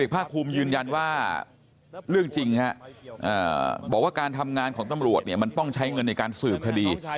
ภาคภูมิยืนยันว่าเรื่องจริงบอกว่าการทำงานของตำรวจเนี่ยมันต้องใช้เงินในการสืบคดี